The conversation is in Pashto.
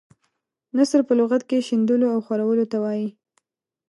نثر په لغت کې شیندلو او خورولو ته وايي.